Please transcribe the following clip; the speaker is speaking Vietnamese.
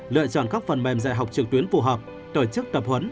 lựa chọn các phần mềm dạy học trực tuyến phù hợp tổ chức tập huấn